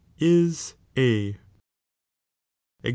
B A Ex.